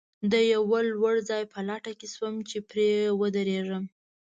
د یوه لوړ ځای په لټه کې شوم، چې پرې ودرېږم.